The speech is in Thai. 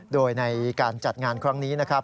โดยในการจัดงานครั้งนี้นะครับ